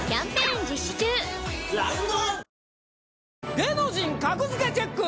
『芸能人格付けチェック！』。